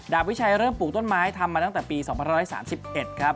วิชัยเริ่มปลูกต้นไม้ทำมาตั้งแต่ปี๒๑๓๑ครับ